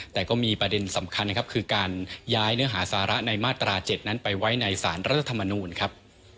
แต่ก็มีประเด็นสำคัญนะครับคือการย้ายเนื้อหาสาระในมาตรา๗นั้นไปไว้ในสารรัฐธรรมนูลครับ